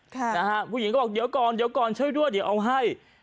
ค่ะนะฮะผู้หญิงก็บอกเดี๋ยวก่อนเดี๋ยวก่อนช่วยด้วยเดี๋ยวเอาให้